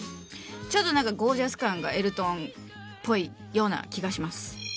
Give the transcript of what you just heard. ちょっとなんかゴージャス感がエルトンっぽいような気がします。